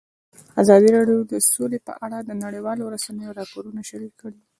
ازادي راډیو د سوله په اړه د نړیوالو رسنیو راپورونه شریک کړي.